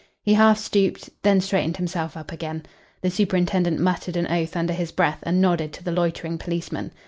He half stooped, then straightened himself up again. The superintendent muttered an oath under his breath and nodded to the loitering policeman.